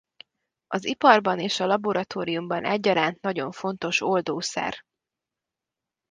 Az iparban és a laboratóriumban egyaránt nagyon fontos oldószer.